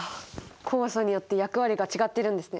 酵素によって役割が違ってるんですね。